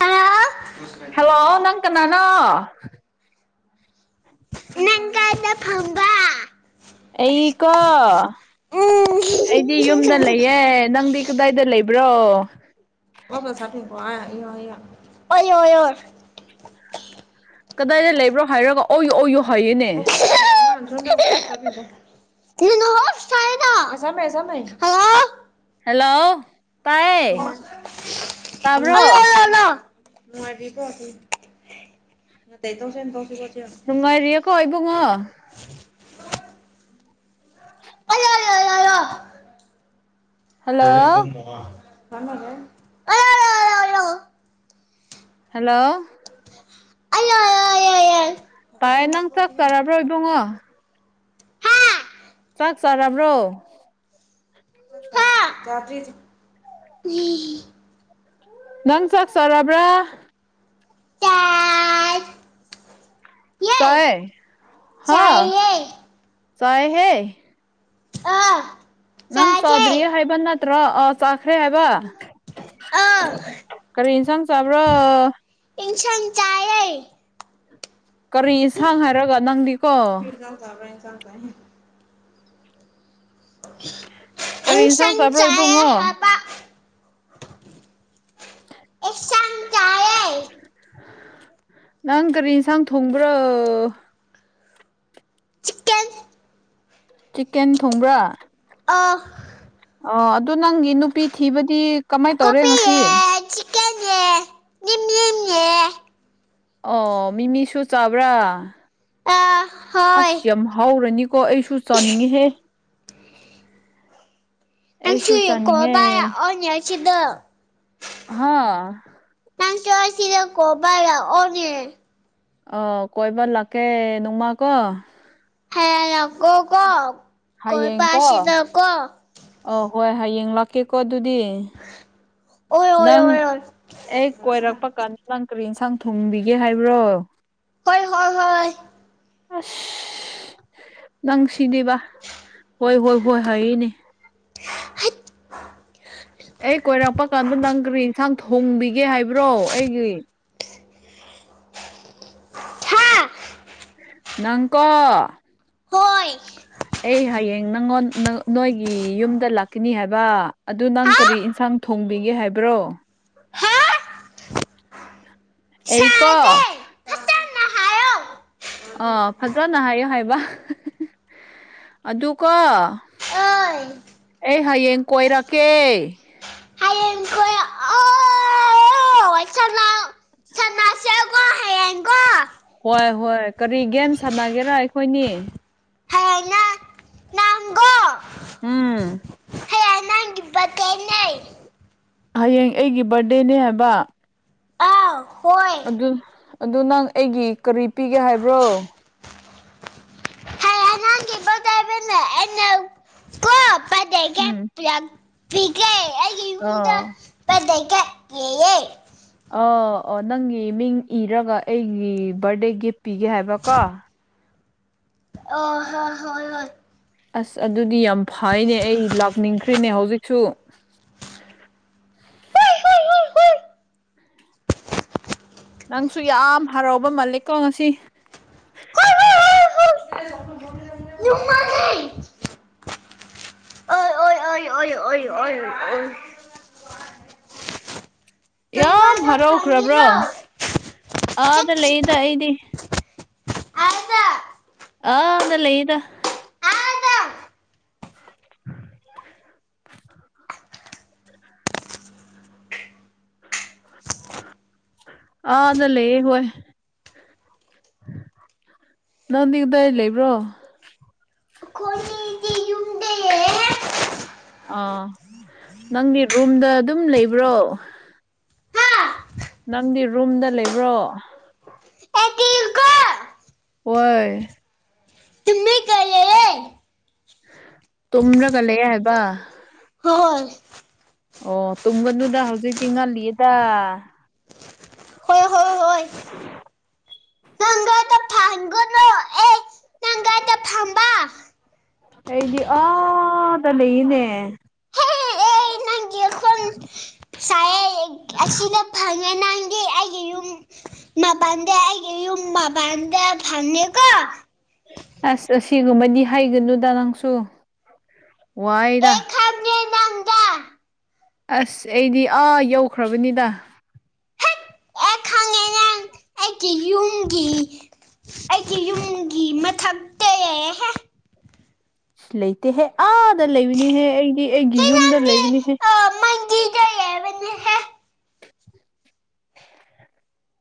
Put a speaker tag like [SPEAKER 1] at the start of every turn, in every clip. [SPEAKER 1] ꯑꯥ
[SPEAKER 2] hello ꯅꯪ ꯀꯅꯥꯅꯣ
[SPEAKER 1] ꯅꯪ ꯀꯥꯏꯗ ꯐꯪꯕ
[SPEAKER 2] ꯑꯩꯀꯣ
[SPEAKER 1] ꯎꯝ
[SPEAKER 2] ꯑꯩꯗꯤ ꯌꯨꯝꯗ ꯂꯩꯌꯦ ꯅꯪꯗꯤ ꯀꯗꯥꯏꯗ ꯂꯩꯕ꯭ꯔꯣ
[SPEAKER 1] [unintelligible]
[SPEAKER 2] ꯀꯗꯥꯏꯗ ꯂꯩꯕ꯭ꯔꯣ ꯍꯥꯏꯔꯒ ꯑꯣꯏ ꯑꯣꯏꯌꯨ ꯍꯥꯏꯌꯦꯅꯦ
[SPEAKER 1] [unintelligible] [unintelligible] ꯍꯂꯣ
[SPEAKER 2] ꯍꯂꯣ ꯇꯥꯕ꯭ꯔꯣ
[SPEAKER 1] [unintelligible] ꯅꯨꯉꯥꯏꯔꯤꯕꯣ [unintelligible]
[SPEAKER 2] ꯅꯨꯡꯉꯥꯏꯔꯤꯌꯦꯀꯣ ꯏꯕꯨꯡꯉꯣ ꯍꯜꯂꯣ
[SPEAKER 1] [unintelligible]
[SPEAKER 2] ꯍꯂꯣ
[SPEAKER 1] [unintelligible]
[SPEAKER 2] ꯄꯥꯏꯌꯦ ꯅꯪ ꯆꯥꯛ ꯆꯔꯥꯕ꯭ꯔꯣ ꯏꯕꯨꯡꯉꯣ ꯆꯥꯛ ꯆꯔꯥꯕꯔꯣ
[SPEAKER 1] [unintelligible] ꯆꯥꯗꯔꯤ ꯖꯤ
[SPEAKER 2] ꯅꯪ ꯆꯥꯛ ꯆꯔꯕ꯭ꯔꯥ
[SPEAKER 1] ꯆꯥꯏ
[SPEAKER 2] ꯆꯥꯏ ꯍꯥ
[SPEAKER 1] ꯆꯥꯏꯌꯦ
[SPEAKER 2] ꯆꯥꯏꯍꯦ
[SPEAKER 1] ꯑꯥ
[SPEAKER 2] ꯅꯪ ꯆꯥꯗ꯭ꯔꯤꯌꯦ ꯍꯥꯏꯕ ꯅꯠꯇ꯭ꯔꯣ ꯑꯥ ꯆꯥꯈ꯭ꯔꯦ ꯍꯥꯏꯕ
[SPEAKER 1] ꯑ
[SPEAKER 2] ꯀꯔꯤ ꯏꯟꯁꯥꯡ ꯆꯥꯕ꯭ꯔ
[SPEAKER 1] ꯏꯟꯁꯥꯡ ꯆꯥꯌ‌ꯦ
[SPEAKER 2] ꯀꯔꯤ ꯏꯟꯁꯥꯡ ꯍꯥꯏꯔꯒ ꯅꯪꯗꯤꯀꯣ
[SPEAKER 1] ꯇꯕꯔꯥ ꯏꯟꯁꯥꯡ ꯆꯥꯏꯍ‌ꯦ
[SPEAKER 2] ꯀꯔꯤ
[SPEAKER 1] ꯏꯟꯁꯥꯡ
[SPEAKER 2] ꯆꯥꯕ꯭ꯔꯣ
[SPEAKER 1] ꯆꯥꯌ‌ꯦ
[SPEAKER 2] ꯏꯕꯨꯡꯉꯣ
[SPEAKER 1] ꯍꯥꯕ ꯑꯦꯁꯥꯡ ꯆꯥꯌ‌ꯦ
[SPEAKER 2] ꯅꯪ ꯀꯔꯤ ꯏꯟꯁꯥꯡ ꯊꯣꯡꯕ꯭ꯔ‌ꯣ
[SPEAKER 1] ꯆꯤꯛꯀꯟ
[SPEAKER 2] ꯆꯤꯛꯀꯦꯟ ꯊꯣꯡꯕ꯭ꯔꯥ
[SPEAKER 1] ꯑꯥ
[SPEAKER 2] ꯑꯣ ꯑꯗꯨ ꯅꯪꯒꯤ ꯅꯨꯄꯤ ꯊꯤꯕꯗꯤ ꯀꯃꯥꯏ ꯇꯧꯔꯦ ꯉꯁꯤ
[SPEAKER 1] ꯑꯩ ꯆꯤꯀꯟ ꯅ‌ꯦ ꯅꯤꯝ ꯅꯤꯝ ꯅꯤ
[SPEAKER 2] ꯑꯣ ꯃꯤꯃꯤꯁꯨ ꯆꯕ꯭ꯔꯥ
[SPEAKER 1] ꯑꯥ ꯍꯣꯏ
[SPEAKER 2] ꯑꯁ ꯌꯥꯝ ꯍꯥꯎꯔꯅꯤꯀꯣ ꯑꯩꯁꯨ ꯆꯥꯅꯤꯡꯉꯤꯍꯦ ꯑꯩꯁꯨ
[SPEAKER 1] ꯅꯪꯁꯨꯏ
[SPEAKER 2] ꯆꯥꯅꯤꯡꯉꯦ
[SPEAKER 1] ꯀ‌ꯣꯏꯕ ꯂꯥꯛꯑꯣꯅꯦ ꯑꯁꯤꯗ
[SPEAKER 2] ꯍꯥꯥ
[SPEAKER 1] ꯅꯪꯁꯨ ꯑꯁꯤꯗ ꯀꯣꯕꯥ ꯂꯥꯛꯑꯣꯅꯦ
[SPEAKER 2] ꯑꯥꯎ ꯀꯣꯏꯕ ꯂꯥꯛꯀꯦ ꯅꯣꯡꯃꯥ ꯀꯣ
[SPEAKER 1] ꯍꯌꯦꯡ ꯂꯥꯛ ꯀꯣ ꯀꯣ ꯀꯣꯏꯕ ꯑꯁꯤꯗ ꯀꯣ
[SPEAKER 2] ꯑꯧ ꯍꯣꯏ ꯍꯌꯦꯡ ꯂꯥꯛꯀꯦꯀꯣ ꯑꯗꯨꯗꯤ
[SPEAKER 1] ꯑꯣꯏ ꯑꯣꯏ
[SPEAKER 2] ꯅꯪ
[SPEAKER 1] ꯑꯣꯏ ꯑꯣꯏ
[SPEAKER 2] ꯑꯩ ꯀꯣꯏꯔꯛꯄ ꯀꯥꯟꯗ ꯅꯪ ꯀꯔꯤ ꯏꯟꯁꯥꯡ ꯊꯣꯡꯕꯤꯒꯦ ꯍꯥꯏꯕ꯭ꯔꯣ
[SPEAKER 1] ꯍꯣꯏ ꯍꯣꯏ ꯍꯣꯏ
[SPEAKER 2] ꯑꯁ ꯅꯪ ꯁꯤꯅꯦꯕ ꯍꯣꯏ ꯍꯣꯏ ꯍꯣꯏ ꯍꯥꯏꯌꯦꯅꯦ
[SPEAKER 1] [unintelligible]
[SPEAKER 2] ꯑꯩ ꯀꯣꯏꯔꯛꯄ ꯀꯥꯟꯗ ꯅꯪ ꯀꯔꯤ ꯌꯦꯟꯁꯥꯡ ꯊꯣꯡꯕꯤꯒꯦ ꯍꯥꯏꯕ꯭ꯔꯣ ꯑꯩꯒꯤ
[SPEAKER 1] ꯍꯥ
[SPEAKER 2] ꯅꯪꯀꯣ
[SPEAKER 1] ꯍꯣꯏ
[SPEAKER 2] ꯑꯩ ꯍꯌꯦꯡ ꯅꯪꯉꯣꯟ ꯅꯣꯏꯒꯤ ꯌꯨꯝꯗ ꯂꯥꯛꯀꯅꯤ ꯍꯥꯏꯕ ꯑꯗꯨ ꯅꯪ
[SPEAKER 1] ꯍꯥ
[SPEAKER 2] ꯀꯔꯤ ꯌꯦꯟꯁꯥꯡ ꯊꯣꯡꯕꯤꯒꯦ ꯍꯥꯏꯕ꯭ꯔꯣ
[SPEAKER 1] ꯍꯥ
[SPEAKER 2] ꯑꯩꯀꯣ
[SPEAKER 1] ꯁꯥꯗꯦ ꯐꯖꯅ ꯍꯥꯏꯌꯣ
[SPEAKER 2] ꯑꯥ ꯐꯖꯅ ꯍꯥꯏꯌꯨ ꯍꯥꯏꯕ ꯑꯗꯨꯀꯣ ꯑꯩ ꯍꯌꯦꯡ ꯀꯣꯏꯔꯛꯀꯦ ꯍꯣꯏ ꯍꯣꯏ ꯀꯔꯤ ꯒꯦꯝ ꯁꯥꯟꯅꯒꯦꯔꯥ ꯑꯩꯈꯣꯏꯅꯤ ꯎꯝ
[SPEAKER 1] ꯄꯇꯦꯟꯅꯦ [unintelligible]
[SPEAKER 2] ꯍꯌꯦꯡ ꯑꯩꯒꯤ ꯕꯥꯔꯗꯦꯅꯦ ꯍꯥꯏꯕ
[SPEAKER 1] ꯑ ꯍꯣꯏ
[SPEAKER 2] ꯑꯗꯨ ꯑꯗꯨ ꯅꯪ ꯑꯩꯒꯤ ꯀꯔꯤ ꯄꯤꯒꯦ ꯍꯥꯏꯕ꯭ꯔꯣ
[SPEAKER 1] ꯍ [unintelligible] [unintelligible] ꯑꯩꯅꯥ ꯀꯣꯄꯗꯩ
[SPEAKER 2] ꯎꯝ
[SPEAKER 1] ꯊꯤꯀꯦ ꯑꯩꯒꯤ
[SPEAKER 2] ꯑꯣ
[SPEAKER 1] ꯕꯗꯦ ꯀꯦꯛ ꯌꯦꯌꯦ
[SPEAKER 2] ꯑ ꯑꯣ ꯅꯪꯒꯤ ꯃꯤꯡ ꯏꯔꯒ ꯑꯩꯒꯤ ꯕꯥꯔꯗꯦ ꯒꯤꯐ ꯄꯤꯒꯦ ꯍꯥꯏꯕꯀꯣ
[SPEAKER 1] ꯑꯣ ꯍꯣ ꯍꯣꯏ ꯍꯣꯏ
[SPEAKER 2] ꯑꯁ ꯑꯗꯨꯗꯤ ꯌꯥꯝ ꯐꯩꯅꯦ ꯑꯩ ꯂꯥꯛꯅꯤꯡꯈ꯭ꯔꯤꯅꯦ ꯍꯧꯖꯤꯛꯁꯨ ꯅꯪꯁꯨ ꯌꯥꯝ ꯍꯔꯥꯎꯕ ꯃꯥꯜꯂꯤꯀꯣ ꯉꯁꯤ
[SPEAKER 1] ꯑꯣꯏ ꯑꯣꯏ ꯑꯣꯏ ꯑꯣꯏ ꯑꯣꯏ
[SPEAKER 2] ꯌꯥꯝ ꯍꯔꯥꯎꯈ꯭ꯔꯕ꯭ꯔꯣ ꯑꯥꯗ ꯂꯩꯌꯦꯗ ꯑꯩꯗꯤ ꯑꯥꯗ ꯂꯩꯌꯦꯗ ꯑꯥꯗ ꯂꯩꯌꯦ ꯍꯣꯏ ꯅꯪꯗꯤ ꯀꯥꯗꯏ ꯂꯩꯕ꯭ꯔꯣ ꯑꯥ ꯅꯪꯗꯤ ꯔꯨꯝꯗ ꯑꯗꯨꯝ ꯂꯩꯕ꯭ꯔꯣ ꯅꯪꯗꯤ ꯔꯨꯝꯗ ꯂꯩꯕ꯭ꯔꯣ ꯍꯣꯏ ꯇꯨꯝ꯭ꯔꯒ ꯂꯩꯑꯦ ꯍꯥꯏꯕ
[SPEAKER 1] ꯍꯣꯏ
[SPEAKER 2] ꯑꯣ ꯇꯨꯡꯒꯅꯨꯗ ꯍꯧꯖꯤꯛꯇꯤ ꯉꯜꯂꯤꯌꯦꯗ ꯎ [unintelligible] [unintelligible] ꯑꯩꯗꯤ ꯑꯥ ꯗꯥ ꯂꯩꯌꯦꯅꯦ
[SPEAKER 1] ꯑꯁꯤꯗ ꯐꯪꯉꯦ ꯅꯪ ꯃꯥꯕꯥꯥꯟꯗꯦ ꯑꯩꯒꯤ ꯌꯨꯝ ꯃꯥꯕꯥꯟꯗ ꯐꯪꯉꯦꯀꯣ
[SPEAKER 2] ꯑꯁ ꯑꯁꯤꯒꯨꯝꯕꯗꯤ ꯍꯩꯒꯅꯨꯗ ꯅꯪꯁꯨ ꯋꯥꯏꯗ ꯑꯁ ꯑꯩꯗꯤ ꯑꯥ ꯌꯧꯈ꯭ꯔꯕꯅꯤꯗ
[SPEAKER 1] ꯍꯦꯛ
[SPEAKER 2] [inaudible]
[SPEAKER 1] ꯇꯨꯡꯒꯤ ꯑꯩꯒꯤ ꯌꯨꯝꯒꯤ ꯃꯊꯛꯇꯦꯍꯦ
[SPEAKER 2] ꯂꯩꯇꯦꯍꯦ ꯑꯥꯗ ꯂꯩꯕꯅꯤꯍꯦ ꯑꯩꯗꯤ ꯑꯩꯒꯤ
[SPEAKER 1] ꯁꯤ
[SPEAKER 2] ꯌꯨꯝꯗ
[SPEAKER 1] ꯅꯪꯗꯤ
[SPEAKER 2] ꯂꯩꯕꯅꯤꯍꯦ
[SPEAKER 1] ꯑ ꯃꯟꯗꯤꯔꯗ ꯂꯩꯕꯅꯦꯍꯦ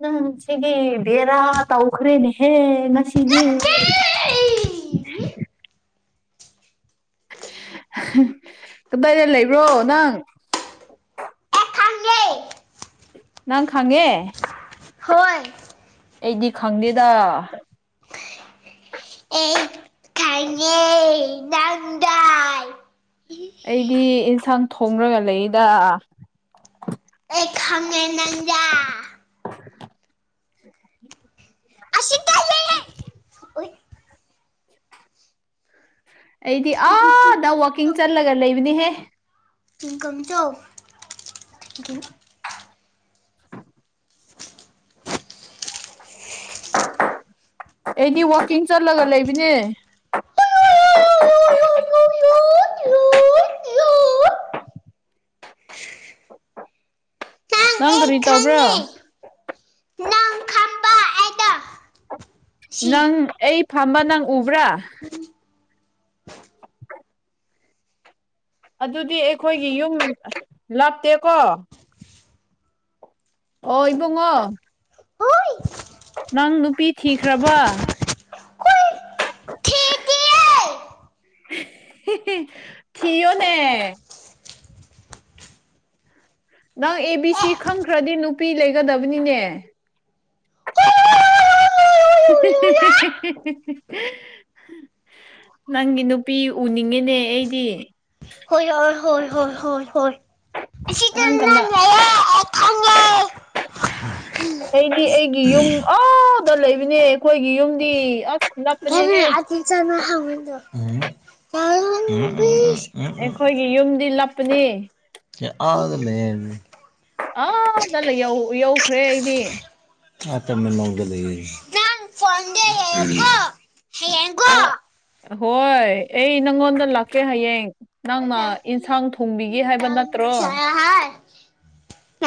[SPEAKER 2] ꯅꯪ ꯁꯤꯒꯤ ꯕꯦꯔꯥ ꯇꯧꯈ꯭ꯔꯦꯅꯦꯍꯦ ꯉꯁꯤꯗꯤ
[SPEAKER 1] ꯅꯠꯇꯦ ꯑꯩ
[SPEAKER 2] ꯀꯗꯥꯏꯗ ꯂꯩꯕ꯭ꯔꯣ ꯅꯪ
[SPEAKER 1] ꯈꯪꯉꯦ
[SPEAKER 2] ꯅꯪ ꯈꯪꯉꯦ
[SPEAKER 1] ꯍꯣꯏ
[SPEAKER 2] ꯑꯩꯗꯤ ꯈꯪꯗꯦꯗ
[SPEAKER 1] ꯑꯦ ꯈꯪꯉꯦ ꯅꯪꯗꯥꯏ
[SPEAKER 2] ꯑꯩꯗꯤ ꯑꯦꯟꯁꯥꯡ ꯊꯣꯡꯔꯒ ꯂꯩꯗ
[SPEAKER 1] ꯑꯩ ꯈꯪꯉꯦ ꯅꯪ ꯌꯥ ꯑꯁꯤꯗ ꯂꯩꯌꯦ
[SPEAKER 2] [inaudible] ꯑꯩꯗꯤ ꯑꯥꯗ ꯋꯥꯛꯀꯤꯡ ꯆꯠꯂꯒ ꯂꯩꯕꯅꯤꯍꯦ
[SPEAKER 1] ꯇꯤꯡ ꯀꯝ ꯆꯧ ꯑꯗꯨ
[SPEAKER 2] ꯑꯩꯗꯤ ꯋꯥꯛꯀꯤꯡ ꯆꯠꯂꯒ ꯂꯩꯕꯅꯦ ꯅꯪ
[SPEAKER 1] ꯑꯩ
[SPEAKER 2] ꯀꯔꯤ ꯇꯧꯕ꯭ꯔ
[SPEAKER 1] ꯈꯪꯉꯦ ꯅꯪ ꯈꯪꯕ ꯑꯩꯗꯣ ꯁꯤ
[SPEAKER 2] ꯅꯪ ꯑꯩ ꯐꯝꯕ ꯅꯪ ꯎꯕ꯭ꯔꯥ ꯑꯗꯨꯗꯤ ꯑꯩꯈꯣꯏꯒꯤ ꯌꯨꯝ ꯂꯥꯞꯇꯦꯀꯣ ꯑꯣ ꯏꯕꯨꯡꯉꯣ
[SPEAKER 1] ꯍꯣꯏ
[SPEAKER 2] ꯅꯪ ꯅꯨꯄꯤ ꯊꯤꯈ꯭ꯔꯕ
[SPEAKER 1] ꯍꯣꯏ
[SPEAKER 2] [inaudible]
[SPEAKER 1] ꯊꯤꯗꯤꯌꯦ
[SPEAKER 2] ꯊꯤꯌꯣꯅꯦ ꯅꯪ ꯑꯦ ꯕꯤ ꯁꯤ ꯈꯪꯈ꯭ꯔꯗꯤ ꯅꯨꯄꯤ ꯂꯩꯒꯗꯕꯅꯤꯅꯦ [unintelligible] ꯅꯪꯒꯤ ꯅꯨꯄꯤ ꯎꯅꯤꯡꯉꯦꯅꯦ ꯑꯩꯗꯤ
[SPEAKER 1] ꯍꯣꯏꯔ ꯍꯣꯏ ꯍꯣꯏ ꯍꯣꯏ ꯍꯣꯏ
[SPEAKER 2] ꯅꯪ ꯀꯅ
[SPEAKER 1] ꯑꯩ ꯈꯪꯉꯦ
[SPEAKER 2] ꯑꯩꯗꯤ ꯑꯩꯒꯤ ꯌꯨꯝ ꯑꯥꯗ ꯂꯩꯕꯅꯦ ꯑꯩꯈꯣꯏꯒꯤ ꯌꯨꯝꯗꯤ ꯑꯁ ꯂꯞꯄꯅꯦꯍꯦ
[SPEAKER 1] [unintelligible]
[SPEAKER 2] ꯑꯩꯈꯣꯏꯒꯤ ꯌꯨꯝꯗꯤ ꯂꯞꯄꯅꯤ
[SPEAKER 1] ꯀꯦ ꯑꯥꯗ ꯂꯩꯌꯦꯅꯦ
[SPEAKER 2] ꯑꯥꯗ ꯂꯩ ꯌꯧ ꯌꯧꯈ꯭ꯔꯦ ꯑꯩꯗꯤ
[SPEAKER 1] ꯑꯇ ꯃꯅꯨꯡꯗ ꯂꯩꯌꯦ ꯅꯪ ꯐꯣꯟꯗꯦꯀꯣ
[SPEAKER 2] ꯑꯣ ꯍꯣꯏ ꯑꯩ ꯅꯪꯉꯣꯟꯗ ꯂꯥꯛꯀꯦ ꯍꯌꯦꯡ ꯅꯪꯅ ꯏꯟꯁꯥꯡ ꯊꯣꯡꯕꯤꯒꯦ
[SPEAKER 1] ꯍꯤ
[SPEAKER 2] ꯍꯥꯏꯕ
[SPEAKER 1] ꯅꯪ
[SPEAKER 2] ꯅꯠꯇ꯭ꯔꯣ
[SPEAKER 1] ꯁꯥꯍꯥꯏ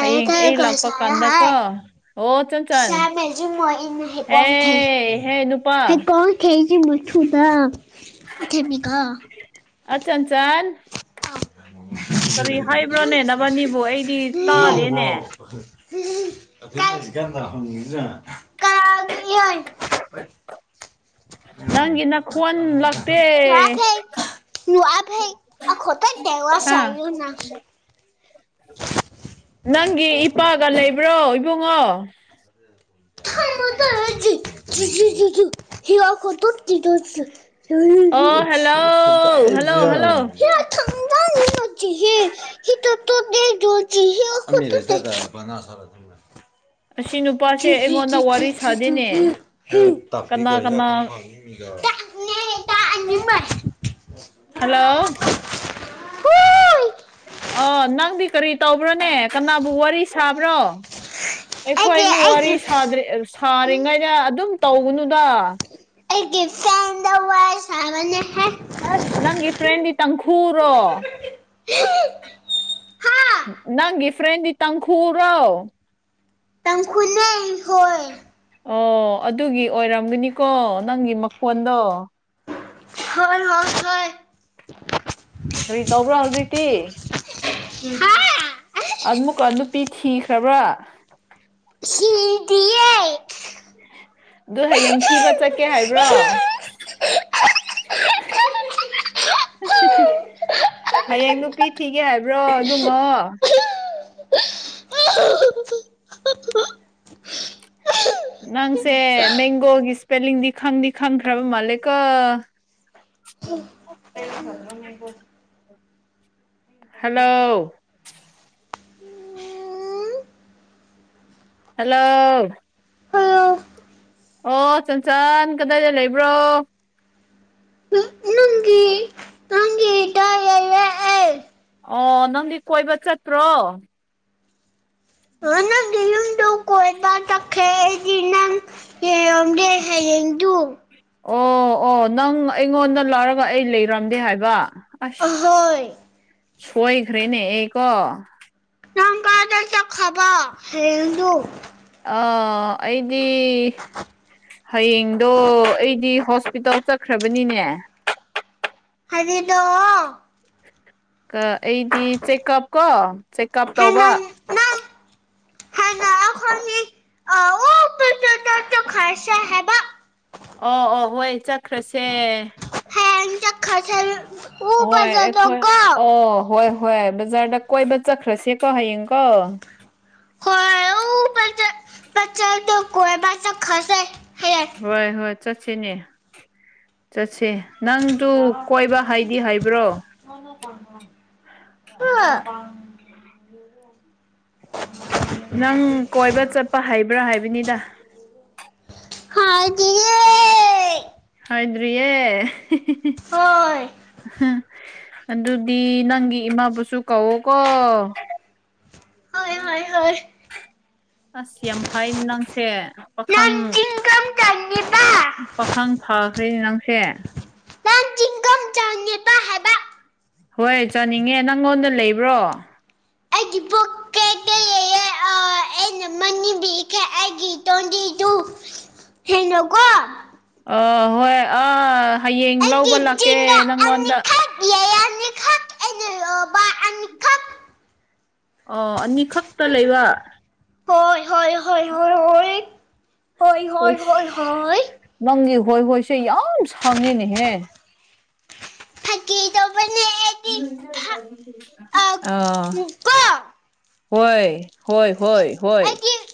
[SPEAKER 2] ꯍꯌꯦꯡ ꯑꯩ ꯂꯥꯛꯄ ꯀꯥꯟꯗꯀꯣ
[SPEAKER 1] ꯍꯥꯏ
[SPEAKER 2] ꯑꯣ ꯆꯪ ꯍꯦ ꯅꯨꯄꯥ
[SPEAKER 1] [unintelligible] [unintelligible]
[SPEAKER 2] ꯑꯆꯟꯆꯥꯟ ꯀꯔꯤ ꯍꯥꯏꯕ꯭ꯔꯣꯅꯦ ꯅꯕꯅꯤꯕꯨ ꯑꯩ ꯇꯥꯗꯦꯅꯦ
[SPEAKER 1] [unintelligible] [unintelligible]
[SPEAKER 2] ꯅꯪꯒꯤ ꯅꯈꯣꯟ ꯂꯥꯛꯇꯦ ꯍꯥ
[SPEAKER 1] [unintelligible]
[SPEAKER 2] ꯅꯪꯒꯤ ꯏꯄꯥꯒ ꯂꯩꯕ꯭ꯔꯣ ꯏꯕꯨꯡꯉꯣ
[SPEAKER 1] ꯆꯨ ꯆꯨ ꯖꯨ ꯖꯨ ꯍꯤ ꯋꯥ ꯀꯣ ꯇꯣ ꯀꯤꯘꯣꯠꯖꯨ [unintelligible]
[SPEAKER 2] ꯑꯣ ꯍꯜꯂꯣ ꯍꯜꯂꯣ ꯍꯜꯂꯣ
[SPEAKER 1] [unintelligible]
[SPEAKER 2] ꯑꯁꯤ ꯅꯨꯄꯥꯁꯦ ꯑꯩꯉꯣꯟꯗ ꯋꯥꯔꯤ ꯁꯥꯗꯦꯅꯦ ꯀꯅꯥ ꯀꯅꯥ
[SPEAKER 1] [unintelligible]
[SPEAKER 2] ꯍꯜꯂꯣ ꯑ ꯅꯪꯗꯤ ꯀꯔꯤ ꯇꯧꯕ꯭ꯔꯣꯅꯦ ꯀꯅꯥꯕꯨ ꯋꯥꯔꯤ ꯁꯥꯕ꯭ꯔꯣ ꯑꯩꯈꯣꯏ ꯑꯅꯤ ꯋꯥꯔꯤ ꯁꯥꯗ꯭ꯔꯤ ꯑꯦ ꯁꯥꯔꯤꯉꯩꯗ ꯑꯗꯨꯝ ꯇꯧꯒꯅꯨꯗꯥ
[SPEAKER 1] ꯑꯩꯒꯤ ꯐꯦꯟꯗ ꯋꯥꯏ ꯁꯥꯕꯅꯦꯍꯦ
[SPEAKER 2] ꯑꯁ ꯅꯪꯒꯤ ꯐ꯭ꯔꯦꯟꯗꯤ ꯇꯪꯈꯨꯔꯣ ꯅꯪꯒꯤ ꯐ꯭ꯔꯦꯟꯗꯤ ꯇꯪꯈꯨꯔꯣ
[SPEAKER 1] ꯇꯪꯈꯨꯅꯦ ꯍꯣꯏ
[SPEAKER 2] ꯑꯣ ꯑꯗꯨꯒꯤ ꯑꯣꯏꯔꯝꯒꯅꯤꯀꯣ ꯅꯪꯒꯤ ꯃꯈꯣꯟꯗꯣ
[SPEAKER 1] ꯍꯣꯏ ꯍꯣꯏ ꯍꯣꯏ꯫
[SPEAKER 2] ꯀꯔꯤ ꯇꯧꯕ꯭ꯔꯣ ꯍꯧꯖꯤꯛꯇꯤ
[SPEAKER 1] ꯅꯪꯒꯤ
[SPEAKER 2] ꯑꯃꯨꯛꯀ ꯅꯨꯄꯤ ꯊꯤꯈ꯭ꯔꯕ꯭ꯔꯥ
[SPEAKER 1] ꯁꯤꯗꯤꯌꯦ
[SPEAKER 2] ꯗꯨ ꯍꯌꯦꯡ ꯊꯤꯕ ꯆꯠꯀꯦ ꯍꯥꯏꯕ꯭ꯔꯣ [inaudible] [unintelligible] ꯍꯌꯦꯡ ꯅꯨꯄꯤ ꯊꯤꯒꯦ ꯍꯥꯏꯕ꯭ꯔꯣ ꯏꯕꯨꯉꯣ ꯅꯪꯁꯦ ꯃꯦꯡꯒꯣꯒꯤ ꯁ꯭ꯄꯦꯂꯤꯡꯗꯤ ꯈꯪꯗꯤ ꯈꯪꯈ꯭ꯔꯕ ꯃꯥꯜꯂꯦꯀꯣ
[SPEAKER 1] [inaudible]
[SPEAKER 2] ꯍꯜꯂꯣ ꯍꯜꯂꯣ ꯑꯣ ꯆꯟꯆꯥꯟ ꯀꯗꯥꯏꯗ ꯂꯩꯕ꯭ꯔꯣ
[SPEAKER 1] ꯅꯪꯒꯤ ꯅꯪꯒꯤꯗ ꯂꯩꯌꯦ ꯑꯩ꯫
[SPEAKER 2] ꯑꯣ ꯅꯪꯗꯝ ꯀꯣꯏꯕ ꯆꯠꯇ꯭ꯔꯣ
[SPEAKER 1] ꯑꯣ ꯅꯪꯒꯤ ꯌꯨꯝꯗ ꯀꯣꯏꯕ ꯆꯠ ꯈꯦꯉꯗꯤ ꯅꯪ ꯌꯦꯡꯔꯣꯝꯗꯦ ꯍꯌꯦꯡꯗꯨ
[SPEAKER 2] ꯑꯣ ꯑꯣ ꯅꯪ ꯑꯩꯉꯣꯟꯗ ꯂꯥꯛꯔꯒ ꯑꯩ ꯂꯩꯔꯝꯗꯦ ꯍꯥꯏꯕ ꯑꯁ
[SPEAKER 1] ꯑꯍꯣꯏ
[SPEAKER 2] ꯁꯣꯏꯈ꯭ꯔꯦꯅꯦ ꯑꯩ ꯀꯣ
[SPEAKER 1] ꯅꯪ ꯀꯥꯏꯗ ꯆꯠꯈꯕ ꯍꯌꯦꯡꯗꯨ
[SPEAKER 2] ꯑꯥ ꯑꯩꯗꯤ ꯍꯌꯦꯡꯗꯣ ꯑꯩꯗꯤ ꯍꯣꯁꯄꯤꯇꯥꯜ ꯆꯛ ꯈ꯭ꯔꯕꯅꯤꯅꯦ
[SPEAKER 1] ꯍꯥꯏꯗꯤꯗꯣꯋꯣ
[SPEAKER 2] ꯀ ꯑꯩꯗꯤ ꯆꯦꯛꯀꯞ ꯀꯣ ꯆꯦꯛꯀꯞ ꯇꯧꯕ
[SPEAKER 1] ꯍꯅ ꯑꯈꯣꯅꯤ [unintelligible] ꯆꯈ꯭ꯔꯁꯦ ꯍꯥꯏꯕ
[SPEAKER 2] ꯑꯣ ꯑꯣ ꯍꯣꯏ ꯆꯠꯈ꯭ꯔꯁꯦ
[SPEAKER 1] ꯍꯥꯏꯌꯦꯡ ꯆꯈ꯭ꯔꯁꯦ ꯂ
[SPEAKER 2] ꯍꯣꯏ ꯑꯩꯈꯣꯏ ꯑꯣ ꯍꯣꯏ ꯍꯣꯏ ꯕꯖꯥꯔꯗ ꯀꯣꯏꯕ ꯆꯠꯈ꯭ꯔꯁꯦꯀꯣ ꯍꯌꯦꯡꯀꯣ
[SPEAKER 1] ꯍꯣꯏ ꯎ ꯕꯖꯗ ꯕꯆꯔꯗ ꯀꯣꯏꯕ ꯆꯈꯁꯦ
[SPEAKER 2] ꯍꯣꯏ ꯍꯣꯏ ꯆꯠꯁꯦꯅꯦ ꯆꯠꯁꯦ ꯅꯪꯗꯨ ꯀꯣꯏꯕ ꯍꯥꯏꯗꯤ ꯍꯥꯏꯕ꯭ꯔꯣ
[SPEAKER 1] [unintelligible]
[SPEAKER 2] ꯅꯪ ꯀꯣꯏꯕ ꯆꯠꯄ ꯍꯩꯕ꯭ꯔꯥ ꯍꯥꯏꯕꯅꯤꯗ
[SPEAKER 1] ꯍꯥꯎꯇꯤꯌꯦ
[SPEAKER 2] ꯍꯥꯎꯗ꯭ꯔꯤ ꯌꯦ
[SPEAKER 1] ꯍꯣꯏ
[SPEAKER 2] [unintelligible] ꯑꯗꯨꯗꯤ ꯅꯪꯒꯤ ꯏꯃꯥꯕꯨꯁꯨ ꯀꯧꯋꯣ ꯀꯣ
[SPEAKER 1] ꯍꯣꯏ ꯍꯣꯏ ꯍꯣꯏ
[SPEAKER 2] ꯑꯁ ꯌꯥꯝ ꯐꯩ ꯅꯪꯁꯦ
[SPEAKER 1] ꯅꯪ
[SPEAKER 2] ꯄꯥꯈꯪ
[SPEAKER 1] ꯆꯤꯡꯒꯝ ꯆꯪꯉꯤꯕ
[SPEAKER 2] ꯄꯥꯈꯪ ꯐꯈ꯭ꯔꯦꯅꯦ ꯅꯪꯁꯦ
[SPEAKER 1] [unintelligible]
[SPEAKER 2] ꯍꯣꯏ ꯆꯥꯅꯤꯡꯉꯦ ꯅꯪꯉꯣꯟꯗ ꯂꯩꯕ꯭ꯔꯣ
[SPEAKER 1] [unintelligible] [unintelligible]
[SPEAKER 2] ꯑ ꯍꯣꯏ ꯑꯥ ꯍꯌꯦꯡ ꯂꯧꯕ ꯂꯥꯛꯀꯦ ꯅꯪꯉꯣꯟꯗ
[SPEAKER 1] [unintelligible] ꯑꯅꯤ ꯈꯛ
[SPEAKER 2] ꯑꯣ ꯑꯅꯤꯈꯛꯇ ꯂꯩꯕ
[SPEAKER 1] ꯍꯣꯏ ꯍꯣꯏ ꯍꯣꯏ ꯍꯣꯏ ꯍꯣꯏ ꯍꯣꯏ ꯍꯣꯏ ꯍꯣꯏ
[SPEAKER 2] ꯑꯁ
[SPEAKER 1] ꯍꯣꯏ
[SPEAKER 2] ꯅꯪꯒꯤ ꯍꯣꯏ ꯍꯣꯏꯁꯦ ꯌꯥꯝ ꯁꯥꯡꯉꯦꯅꯦꯍꯦ
[SPEAKER 1] ꯑꯀꯤ ꯇꯣꯄꯅꯦ ꯑꯩ
[SPEAKER 2] [unintelligible] ꯑꯥ
[SPEAKER 1] ꯀꯣ
[SPEAKER 2] ꯍꯣꯏ ꯍꯣꯏ ꯍꯣꯏ ꯍꯣꯏ
[SPEAKER 1] ꯑꯩꯗꯤ